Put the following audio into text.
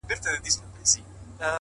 نه پوهېږم چي په څه سره خـــنـــديــــږي.